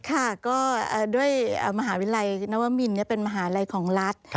ค่ะก็ด้วยมหาวิทยาลัยนวมินเป็นมหาลัยของรัฐ